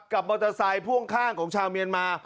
มอเตอร์ไซค์พ่วงข้างของชาวเมียนมา